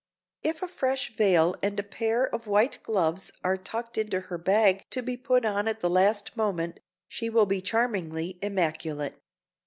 If a fresh veil and a pair of white gloves are tucked into her bag to be put on at the last moment, she will be charmingly immaculate.